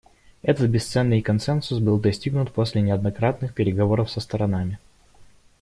Этот бесценный консенсус был достигнут после неоднократных переговоров со сторонами.